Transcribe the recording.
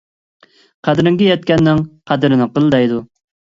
قەدرىڭگە يەتكەننىڭ قەدرىنى قىل دەيدۇ.